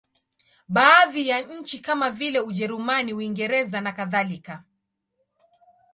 Baadhi ya nchi kama vile Ujerumani, Uingereza nakadhalika.